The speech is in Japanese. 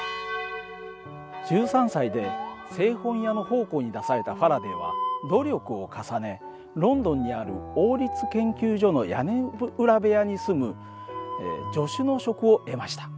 １３歳で製本屋の奉公に出されたファラデーは努力を重ねロンドンにある王立研究所の屋根裏部屋に住む助手の職を得ました。